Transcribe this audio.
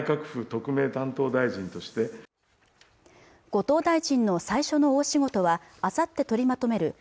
後藤大臣の最初の大仕事はあさって取りまとめる